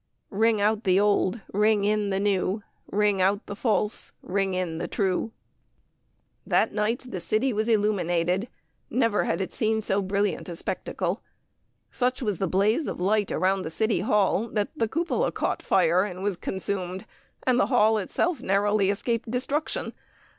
Ring out the old, ring in the new, Ring out the false, ring in the true. That night the city was illuminated. Never had it seen so brilliant a spectacle. Such was the blaze of light around the City Hall that the cupola caught fire and was consumed, and the hall itself narrowly escaped destruction.